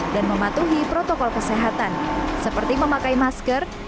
dan mematuhi protokol kesehatan seperti memakai masker